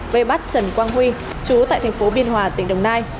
vây bắt trần quang huy chú tại thành phố biên hòa tỉnh đồng nai